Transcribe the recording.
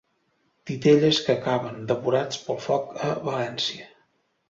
Titelles que acaben devorats pel foc a València.